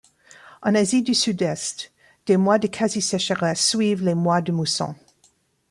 En Asie du Sud-Est, des mois de quasi-sécheresse suivent les mois de mousson.